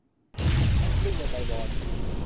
น้ำกลิ้งบนใบบอน